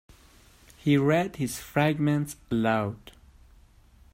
He read his fragments aloud.